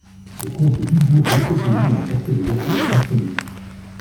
Le comte Dubourg restait au lit dans le quartier de derrière jusqu'à midi.